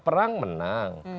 di perang menang